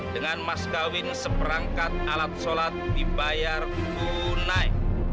dengan mas kawin seperangkat alat sholat dibayar tunai